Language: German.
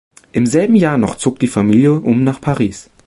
Im selben Jahr noch zog die Familie um nach Paris.